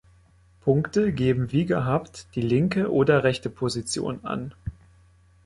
Punkte geben wie gehabt die linke oder rechte Position an.